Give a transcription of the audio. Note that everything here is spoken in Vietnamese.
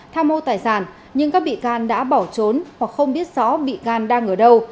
tham mô tài sản nhưng các bị can đã bỏ trốn hoặc không biết rõ bị can đang ở đâu